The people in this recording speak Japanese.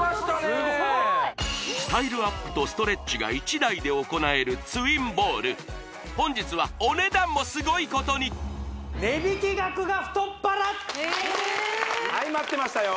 すごい！スタイルアップとストレッチが１台で行えるツインボール本日はお値段もすごいことにはい待ってましたよ